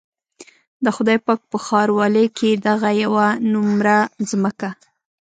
د خدای پاک په ښاروالۍ کې دغه يوه نومره ځمکه.